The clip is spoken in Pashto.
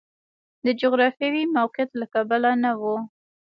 د جغرافیوي موقعیت له کبله نه و.